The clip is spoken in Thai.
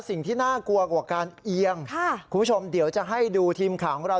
สิ่งที่น่ากลัวกว่าการเอียงคุณผู้ชมเดี๋ยวจะให้ดูทีมข่าวของเรา